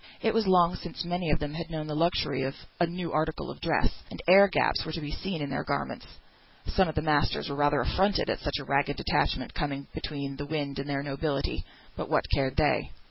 It was long since many of them had known the luxury of a new article of dress; and air gaps were to be seen in their garments. Some of the masters were rather affronted at such a ragged detachment coming between the wind and their nobility; but what cared they?